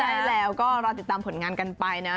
ใช่แล้วก็รอติดตามผลงานกันไปนะ